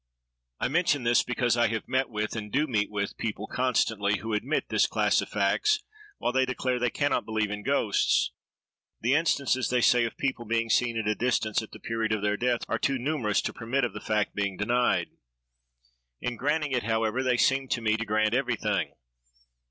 I mention this because I have met with, and do meet with, people constantly, who admit this class of facts, while they declare they can not believe in ghosts; the instances, they say, of people being seen at a distance at the period of their death, are too numerous to permit of the fact being denied. In granting it, however, they seem to me to grant everything.